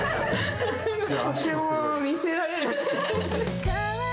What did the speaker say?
とても見せられない。